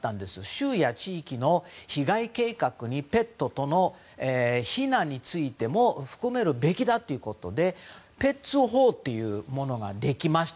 州や地域の災害計画にペットとの避難についても含めるべきだということでＰＥＴＳ法というものができました。